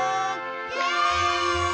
イエーイ！